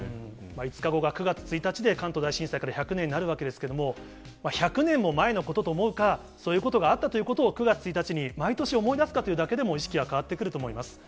５日後が９月１日で、関東大震災から１００年になるわけですけれども、１００年も前のことと思うか、そういうことがあったということを９月１日に毎年、思い出すかということだけでも意識は変わってくると思います。